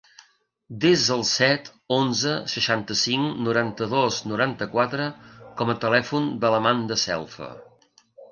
Desa el set, onze, seixanta-cinc, noranta-dos, noranta-quatre com a telèfon de l'Amanda Selfa.